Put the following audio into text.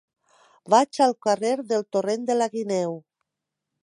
Vaig al carrer del Torrent de la Guineu.